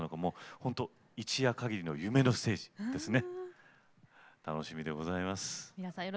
本当に一夜かぎりの夢のステージですね。